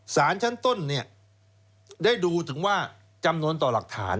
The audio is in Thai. สารชั้นต้นได้ดูถึงว่าจำนวนต่อหลักฐาน